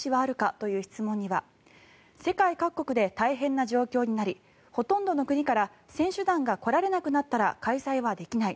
という質問には世界各国で大変な状況になりほとんどの国から選手団が来られなくなったら開催はできない。